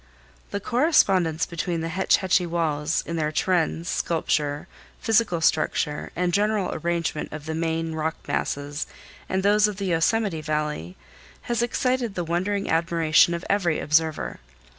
The correspondence between the Hetch Hetchy walls in their trends, sculpture, physical structure, and general arrangement of the main rock masses and those of the Yosemite Valley has excited the wondering admiration of every observer.